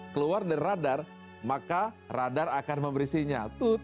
keluar dari radar maka radar akan memberisinya